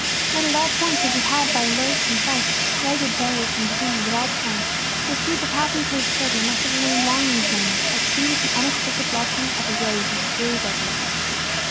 Met at all points as He had been by loathsome sights, ragged beggars, and diseases of all kinds, this group of happy faced children must have remained long in His memory, as sweet as the unexpected blossoming of a rose in a dreary desert.